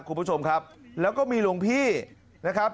คุณผู้ชมครับแล้วก็มีหลวงพี่นะครับ